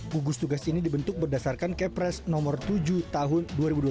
gugus tugas ini dibentuk berdasarkan kepres nomor tujuh tahun dua ribu dua puluh